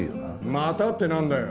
「また」ってなんだよ。